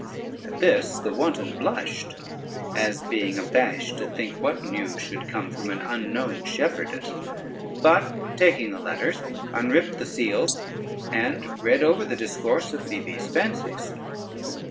At this the wanton blushed, as being abashed to think what news should come from an unknown shepherdess; but taking the letters, unripped the seals, and read over the discourse of Phoebe's fancies.